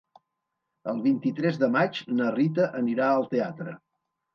El vint-i-tres de maig na Rita anirà al teatre.